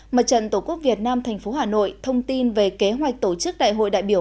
mặt trận tổ quốc việt nam tp hà nội thông tin về kế hoạch tổ chức đại hội đại biểu